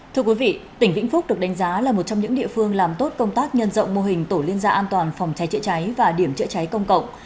thưa quý vị tỉnh vĩnh phúc được đánh giá là một trong những địa phương làm tốt công tác nhân rộng mô hình tổ liên gia an toàn phòng cháy chữa cháy và điểm chữa cháy công cộng